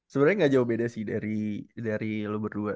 sebenernya gak jauh beda sih dari dari lo berdua